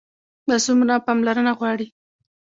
لاسونه پاملرنه غواړي